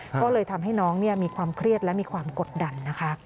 ก็เลยทำให้น้องมีความเครียดและมีความกดดันนะคะ